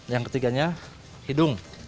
yang ketiganya hidung